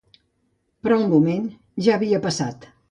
Però el moment ja havia passat.